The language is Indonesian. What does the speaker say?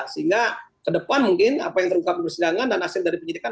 sehingga ke depan mungkin apa yang terukam bersidangan dan hasil dari penyelidikan